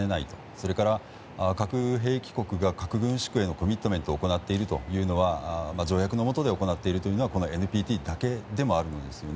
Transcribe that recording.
それから、核兵器国が核軍縮へのコミットメントを行っている条約の下で行っているのはこのＮＰＴだけです。